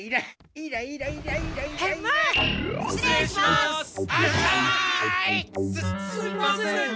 すすいません。